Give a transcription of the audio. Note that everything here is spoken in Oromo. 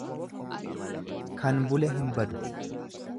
Kan bule hin badu.